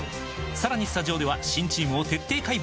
さらにスタジオでは新チームを徹底解剖！